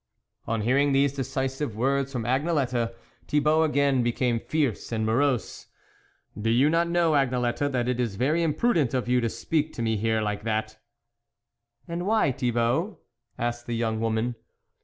On hearing these decisive words from Agnelette, Thibault again became fierce and morose. " Do you not know, Agnelette, that it is very imprudent of you to speak to me here like that ?" "And why, Thibault?" asked the young woman.